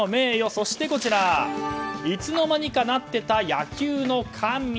そして、いつの間にかなってた野球のかみ。